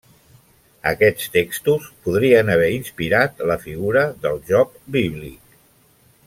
Aquests textos podrien haver inspirat la figura del Job bíblic.